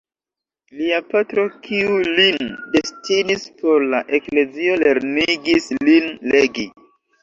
Lia patro, kiu lin destinis por la eklezio, lernigis lin legi.